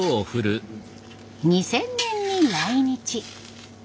２０００年に来日。